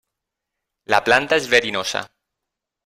La planta és verinosa.